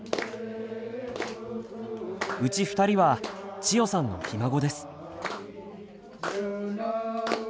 うち２人は千代さんのひ孫です。